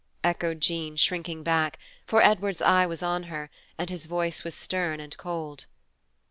echoed Jean, shrinking back, for Edward's eye was on her, and his voice was stern and cold.